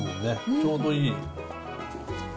ちょうどいい。